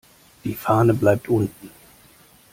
Die Fahne bleibt unten.